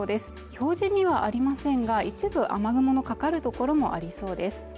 表示にはありませんが一部雨雲のかかるところもありそうです。